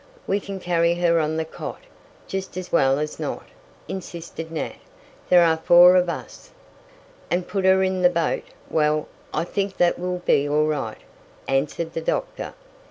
"We can carry her on the cot, just as well as not," insisted Nat. "There are four of us." "And put her in the boat well, I think that will be all right," answered the doctor.